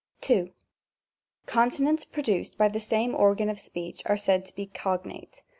2. Consonants produced by the same organ of speech are said to be cognate.